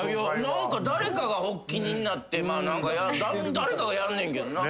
誰かが発起人になって誰かがやんねんけどな。